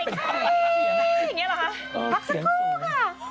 อย่างนี้เหรอคะพักสักครู่ค่ะ